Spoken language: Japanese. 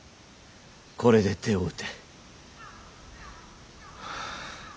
これで手を打て。